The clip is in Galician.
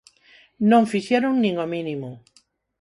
Non fixeron nin o mínimo.